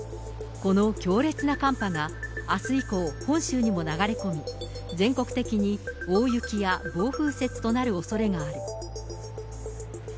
この強烈な寒波があす以降、本州にも流れ込み、全国的に大雪や暴風雪となるおそれがある。